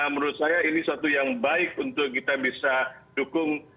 menurut saya ini suatu yang baik untuk kita bisa dukung